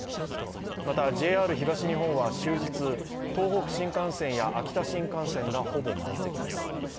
またＪＲ東日本は終日、東北新幹線や秋田新幹線がほぼ満席です。